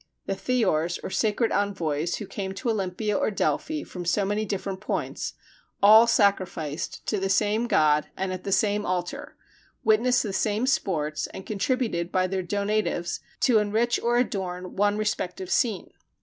The Theors, or sacred envoys who came to Olympia or Delphi from so many different points, all sacrificed to the same god and at the same altar, witnessed the same sports, and contributed by their donatives to enrich or adorn one respective scene.